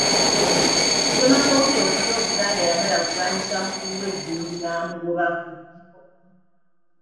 Ssemakookiro okulya Obuganda yamala kulwanyisa mukulu we Jjunju n'amugobako.